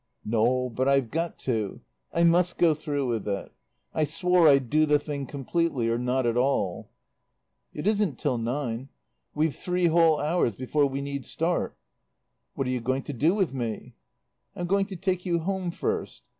"No, but I've got to. I must go through with it. I swore I'd do the thing completely or not at all." "It isn't till nine. We've three whole hours before we need start." "What are you going to do with me?" "I'm going to take you home first.